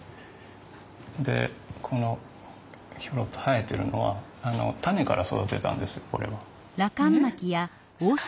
でこのひょろっと生えてるのは種から育てたんですこれは。えっ？